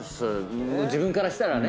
自分からしたらね。